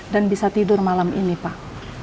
dan bisa tidur malam ini pak